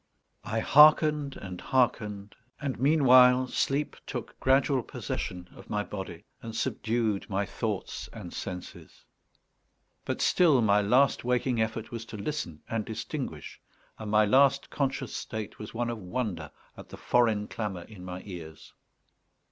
I hearkened and hearkened; and meanwhile sleep took gradual possession of my body and subdued my thoughts and senses; but still my last waking effort was to listen and distinguish, and my last conscious state was one of wonder at the foreign clamour in my ears.